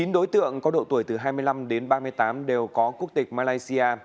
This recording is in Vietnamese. chín đối tượng có độ tuổi từ hai mươi năm đến ba mươi tám đều có quốc tịch malaysia